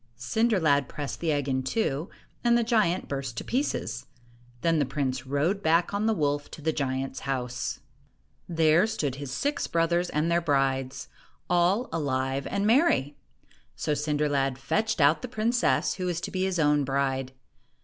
Cinder lad pressed the egg in two, and the giant burst to pieces. Then the prince rode back on the wolf to the giant's house. There stood his six brothers and their brides, all alive and merry. So Cinder lad fetched out the princess who was to be his own bride.